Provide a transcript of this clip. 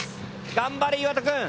頑張れ岩田くん。